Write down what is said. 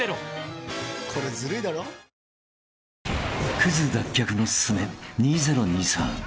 ［クズ脱却のススメ２０２３］